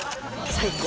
最高。